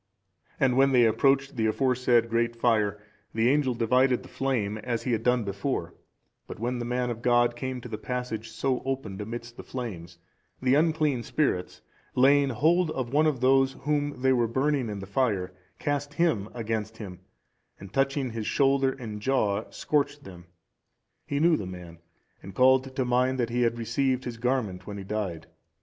And when they approached the aforesaid great fire, the angel divided the flame, as he had done before; but when the man of God came to the passage so opened amidst the flames, the unclean spirits, laying hold of one of those whom they were burning in the fire, cast him against him, and, touching his shoulder and jaw, scorched them. He knew the man, and called to mind that he had received his garment when he died.